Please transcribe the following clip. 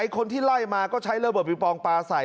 คนที่ไล่มาก็ใช้เลอร์เบิดมีนปลองปลาใส่